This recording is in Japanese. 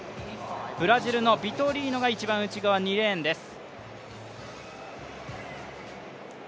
ブラジルのビトリーノが内側２レーンです。